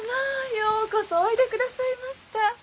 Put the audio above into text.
ようこそおいでくださいました！